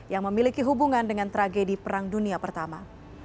yang memiliki hubungan dengan tragedi perang dunia pertama